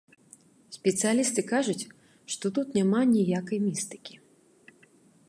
Спецыялісты кажуць, што тут няма ніякай містыкі.